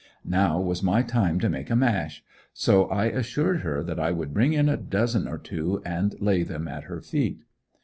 Now was my time to make a "mash," so I assured her that I would bring in a dozen or two and lay them at her feet.